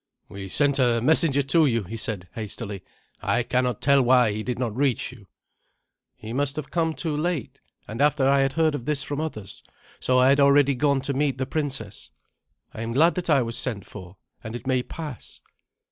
"We sent a messenger to you," he said hastily; "I cannot tell why he did not reach you." "He must have come too late, and after I had heard of this from others; so I had already gone to meet the princess. I am glad that I was sent for, and it may pass.